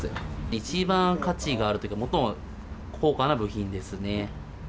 一番価値があるというか、最も高価な部品ですね。